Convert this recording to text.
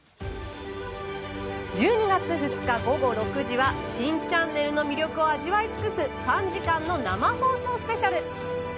１２月２日午後６時は新チャンネルの魅力を味わい尽くす３時間の生放送スペシャル。